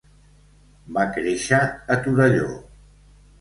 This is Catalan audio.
Va créixer a Torelló.